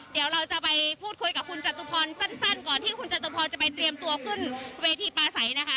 เดี๋ยวเราจะไปพูดคุยกับคุณจตุพรสั้นก่อนที่คุณจตุพรจะไปเตรียมตัวขึ้นเวทีปลาใสนะคะ